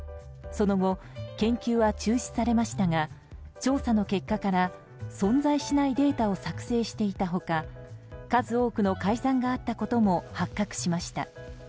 その後、研究は中止されましたが調査の結果から存在しないデータを作成していた他数多くの改ざんがあったことも発覚しました。